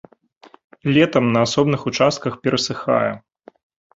Летам на асобных участках перасыхае.